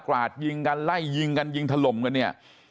ราดยิงกันไล่ยิงกันยิงถล่มกันเนี่ย